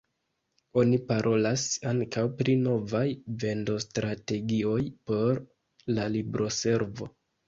Oni parolas ankaŭ pri novaj vendostrategioj por la libroservo.